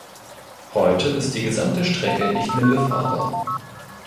Heute ist die gesamte Strecke nicht mehr befahrbar.